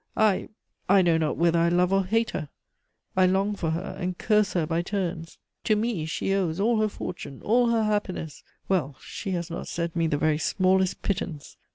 I I know not whether I love or hate her. I long for her and curse her by turns. To me she owes all her fortune, all her happiness; well, she has not sent me the very smallest pittance.